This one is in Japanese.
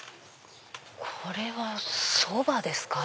これはそばですか？